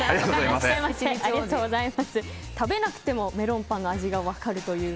食べなくてもメロンパンの味が分かるという。